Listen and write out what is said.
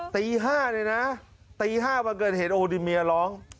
ตี๕เนี่ยนะตี๕วันเกิดเหตุโอ้โหดิเมียร้อง